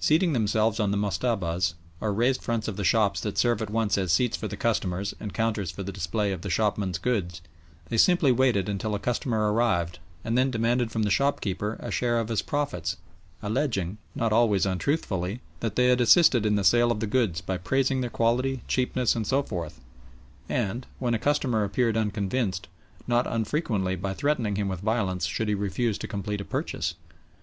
Seating themselves on the mustabahs, or raised fronts of the shops that serve at once as seats for the customers and counters for the display of the shopman's goods, they simply waited until a customer arrived and then demanded from the shopkeeper a share of his profits, alleging, not always untruthfully, that they had assisted in the sale of the goods by praising their quality, cheapness, and so forth, and, when a customer appeared unconvinced, not unfrequently by threatening him with violence should he refuse to complete a purchase.